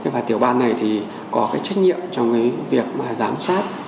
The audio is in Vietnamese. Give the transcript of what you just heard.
và tiểu ban này có trách nhiệm trong việc giám sát